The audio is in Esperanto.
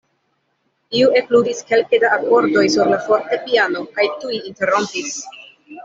Iu ekludis kelke da akordoj sur la fortepiano kaj tuj interrompis.